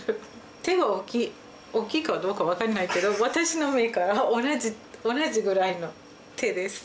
手が大きいかどうか分かんないけど私の目から同じぐらいの手です。